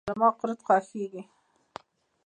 زما قورت خوشیزی.